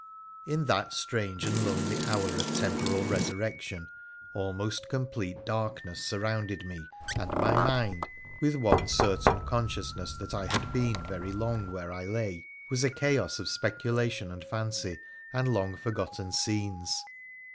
In that strange and lonely hour of temporal resurrection almost complete darkness surrounded me, and my mind (with one certain consciousness that I had been very long where I lay) was a chaos of speculation and fancy and long forgotten scenes.